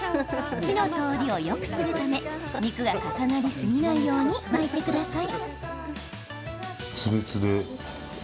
火の通りをよくするため肉が重なりすぎないように巻いてください。